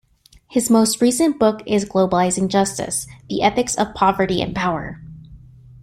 His most recent book is "Globalizing Justice: The Ethics of Poverty and power".